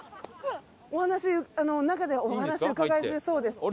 お話中でお話伺いするそうです。